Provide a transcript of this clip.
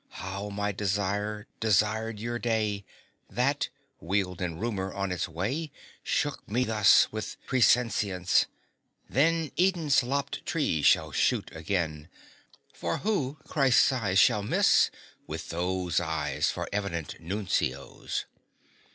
How my desire desired your day, That, wheeled in rumour on its way, Shook me thus with presentience! Then Eden's lopped tree shall shoot again: For who Christ's eyes shall miss, with those Eyes for evident nuncios?